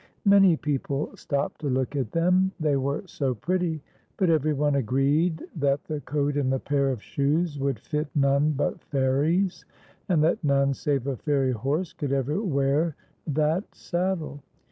Many people stopped to look at them, they were so pretty ; but every one agreed that the coat and the pair of shoes would fit none but fairies, and that none save a 'fairy horse could ever wear that saddle.